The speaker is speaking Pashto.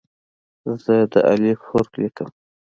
زه د "الف" حرف لیکم.